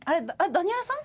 ダニエラさん？